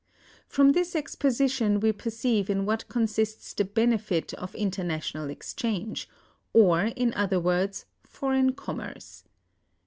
From this exposition we perceive in what consists the benefit of international exchange, or, in other words, foreign commerce.